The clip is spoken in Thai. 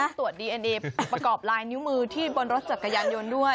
ตรวจดีเอ็นเอประกอบลายนิ้วมือที่บนรถจักรยานยนต์ด้วย